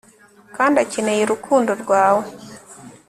kandi akeneye urukundo rwawe